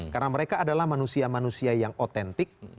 karena mereka adalah manusia manusia yang otentik